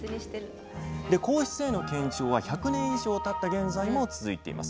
皇室への献上は百年以上たった現在も続いています。